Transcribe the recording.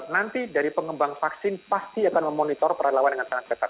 nanti dari pengembang vaksin pasti akan memonitor perlawan dengan sangat ketat